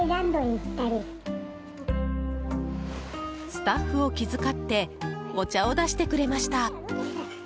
スタッフを気遣ってお茶を出してくれました。